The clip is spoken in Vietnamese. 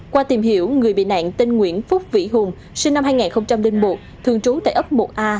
qua tìm hiểu người bị nạn tên nguyễn phúc vĩ hùng sinh năm hai nghìn một thường trú tại ấp một a